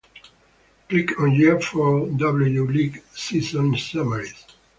Click on year for W-League season summaries.